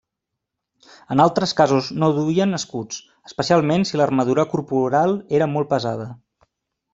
En altres casos no duien escuts, especialment si l'armadura corporal era molt pesada.